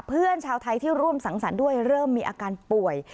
เพื่อนชาวไทยที่ร่วมสังสรรค์ด้วยเริ่มมีอาการป่วย